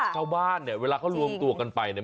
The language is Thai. ชาวบ้านเนี่ยเวลาเขารวมตัวกันไปเนี่ย